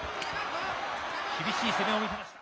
厳しい攻めを見せました。